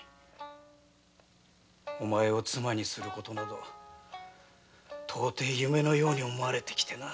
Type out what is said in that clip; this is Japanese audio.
お前を妻にする事など到底夢のように思われてきてな。